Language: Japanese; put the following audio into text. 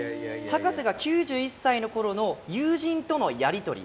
博士が９１歳の頃の友人とのやり取り。